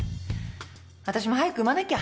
わたしも早く産まなきゃ。